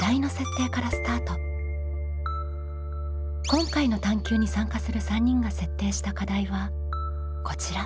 今回の探究に参加する３人が設定した課題はこちら。